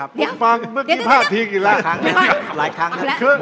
ผมฟังเมื่อกี้ภาพทีกี่แล้ว